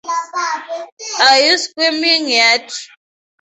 Are you squirming yet?